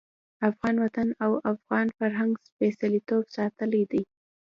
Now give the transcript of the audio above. افغان وطن او افغان فرهنګ سپېڅلتوب ساتلی دی.